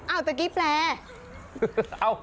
อ้าวเมื่อกี้แปล